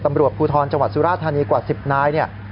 ตำรวจภูทรจังหวัดสุราธานีกว่า๑๐นายเนี่ย